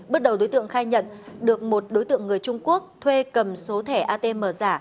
bước đầu đối tượng khai nhận được một đối tượng người trung quốc thuê cầm số thẻ atm giả